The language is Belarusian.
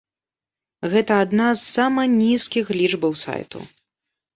Гэта адна з сама нізкіх лічбаў сайту.